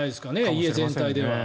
家全体で。